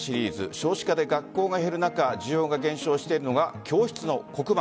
少子化で学校が減る中需要が減少しているのが教室の黒板。